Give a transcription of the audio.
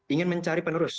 ingin mencari penerus